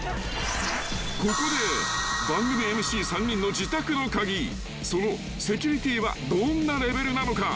［ここで番組ＭＣ３人の自宅の鍵そのセキュリティーはどんなレベルなのか］